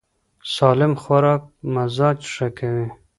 سالم خوراک مزاج ښه کوي.